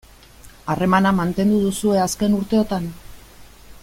Harremana mantendu duzue azken urteotan?